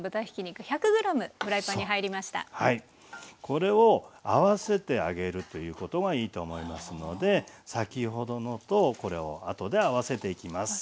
これを合わせてあげるということがいいと思いますので先ほどのとこれを後で合わせていきます。